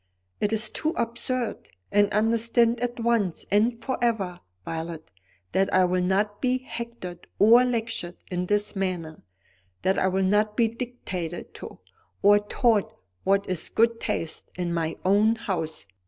It is too absurd. And understand at once and for ever, Violet, that I will not be hectored or lectured in this manner, that I will not be dictated to, or taught what is good taste, in my own house.